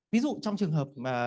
ví dụ trong trường hợp